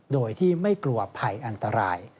โดยที่ไม่กลัวภัยอันตราย